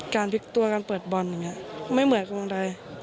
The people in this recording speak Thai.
การพลิกตัวการเปิดบอลอย่างนี้ไม่เหมือนคนใด